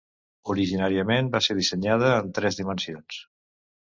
Originàriament va ser dissenyada en tres dimensions.